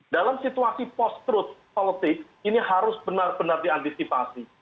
dalam situasi post truth politik ini harus benar benar diantisipasi